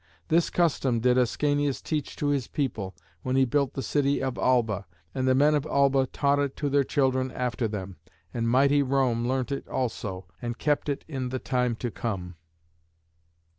This custom did Ascanius teach to his people when he built the city of Alba, and the men of Alba taught it to their children after them, and mighty Rome learnt it also, and kept it in the time to come.